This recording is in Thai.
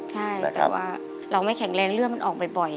ใช่แต่ว่าเราไม่แข็งแรงเลือดมันออกบ่อย